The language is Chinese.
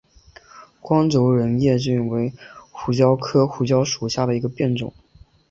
光轴苎叶蒟为胡椒科胡椒属下的一个变种。